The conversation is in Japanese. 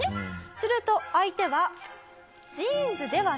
すると相手は。